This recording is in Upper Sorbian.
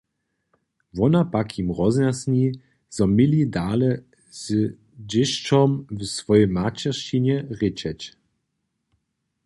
Wona pak jim rozjasni, zo měli dale z dźěsćom w swojej maćeršćinje rěčeć.